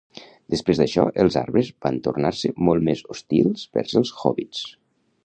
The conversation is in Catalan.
Després d'això, els arbres van tornar-se molt més hostils vers els hòbbits.